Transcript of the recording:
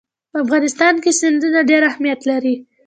په افغانستان کې سیندونه ډېر اهمیت لري.